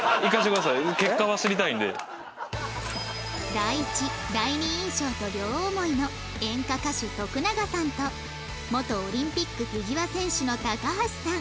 第一第二印象と両思いの演歌歌手徳永さんと元オリンピックフィギュア選手の高橋さん